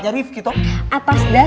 ya terima kasih